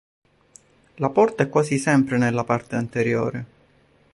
La porta è quasi sempre nella parte anteriore.